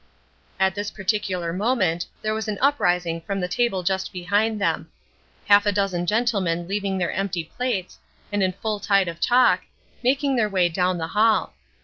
At this particular moment there was an uprising from the table just behind them. Half a dozen gentlemen leaving their empty plates, and in full tide of talk, making their way down the hall.